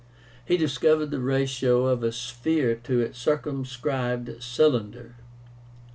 He discovered the ratio of a sphere to its circumscribed cylinder.